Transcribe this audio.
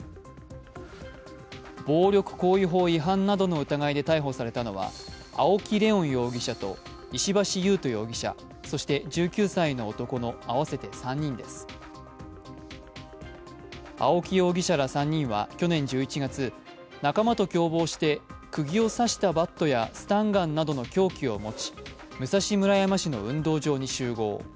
暴力行為法違反などの疑いで逮捕されたのは、青木玲音容疑者と石橋勇人容疑者そして１９歳の男の合わせて３人です青木容疑者ら３人は去年１１月、仲間と共謀して、釘を刺したバットやスタンガンなどの凶器を持ち、武蔵村山市の運動場に集合。